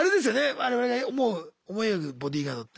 我々が思い描くボディーガードって。